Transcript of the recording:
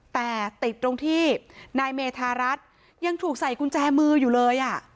แต่ติดตรงที่นายเมธารัฐยังถูกใส่กุญแจมืออยู่เลย